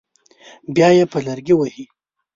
بیا یې په لرګي وهي.